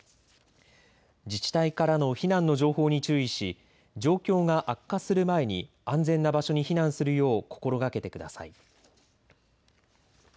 自治体からの避難の情報に注意し状況が悪化する前に安全な場所に避難するよう心がけてください。